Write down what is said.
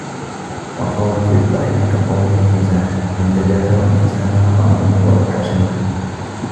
وَالْقَوْلُ فِي الضَّحِكِ كَالْقَوْلِ فِي الْمِزَاحِ إنْ تَجَافَاهُ الْإِنْسَانُ نَفَرَ عَنْهُ وَأَوْحَشَ مِنْهُ